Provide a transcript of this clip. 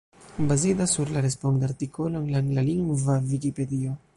Bazita sur la responda artikolo en la anglalingva Vikipedio.